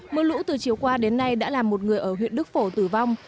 mưa lũ từ chiều qua đến nay đã làm một người ở huyện đức phổ tử vong